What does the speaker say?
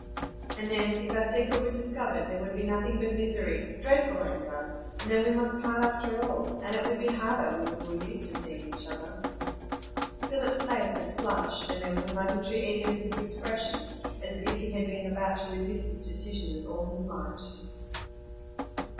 And then, if our secret were discovered, there would be nothing but misery,—dreadful anger; and then we must part after all, and it would be harder, when we were used to seeing each other." Philip's face had flushed, and there was a momentary eagerness of expression, as if he had been about to resist this decision with all his might.